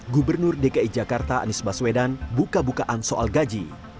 gubernur dki jakarta anies baswedan buka bukaan soal gaji